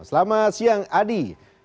selamat siang adi